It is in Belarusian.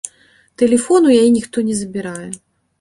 Тэлефон у яе ніхто не забірае.